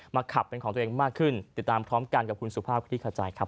ขับเป็นของตัวเองมากขึ้นติดตามพร้อมกันกับคุณสุภาพคลิกขจายครับ